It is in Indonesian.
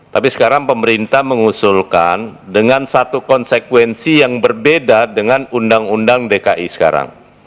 tapi sekarang pemerintah mengusulkan dengan satu konsekuensi yang berbeda dengan undang undang dki sekarang